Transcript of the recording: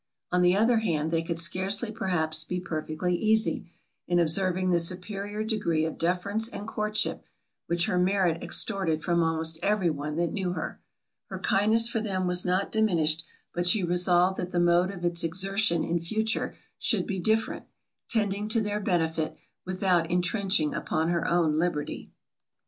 On the other hand, they could scarcely perhaps be perfectly easy, in observing the superior degree of deference and courtship, which her merit extorted from almost every one that knew her. Her kindness for them was not diminished, but she resolved that the mode of its exertion in future should be different, tending to their benefit, without intrenching upon her own liberty.